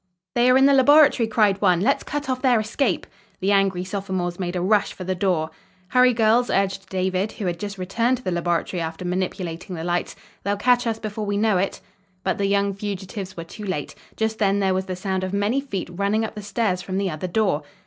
"They are in the laboratory!" cried one. "Let's cut off their escape!" The angry sophomores made a rush for the door. "Hurry girls!" urged David, who had just returned to the laboratory after manipulating the lights. "They'll catch us before we know it." But the young fugitives were too late. Just then there was the sound of many feet running up the stairs from the other door.